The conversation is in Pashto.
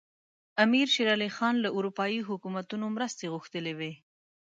امیر شېر علي خان دې له اروپایي حکومتونو مرستې غوښتلي وي.